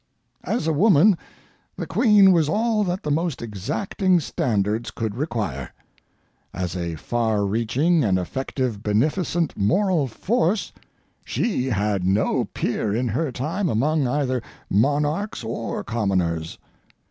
As a woman the Queen was all that the most exacting standards could require. As a far reaching and effective beneficent moral force she had no peer in her time among either, monarchs or commoners.